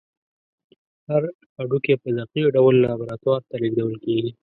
هر هډوکی په دقیق ډول لابراتوار ته لیږدول کېږي.